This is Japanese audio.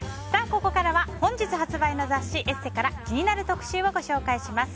ここからは本日発売の雑誌「ＥＳＳＥ」から気になる特集をご紹介します。